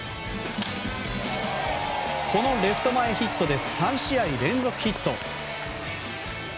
このレフト前ヒットで３試合連続ヒット。